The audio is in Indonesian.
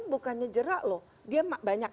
bukannya jerak loh dia banyak